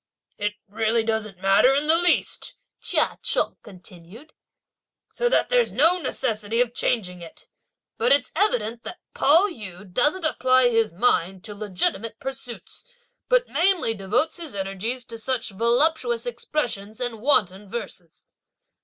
"It doesn't really matter in the least," Chia Cheng continued; "so that there's no necessity of changing it; but it's evident that Pao yü doesn't apply his mind to legitimate pursuits, but mainly devotes his energies to such voluptuous expressions and wanton verses!"